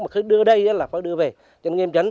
mà cứ đưa đây là phải đưa về